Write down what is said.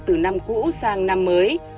từ năm cũ sang năm mới